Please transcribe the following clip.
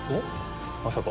まさか。